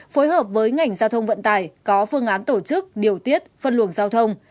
phối hợp với ngành giao thông vận tải có phương án tổ chức điều tiết phân luồng giao thông